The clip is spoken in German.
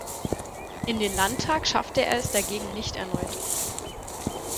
In den Landtag schaffte er es dagegen nicht erneut.